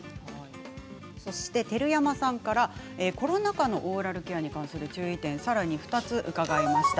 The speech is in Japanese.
そして照山さんからコロナ禍のオーラルケアに関する注意点をさらに２つ伺いました。